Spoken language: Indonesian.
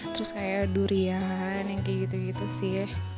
terus kayak durian yang kayak gitu gitu sih